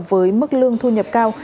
với mức lương thu nhập cao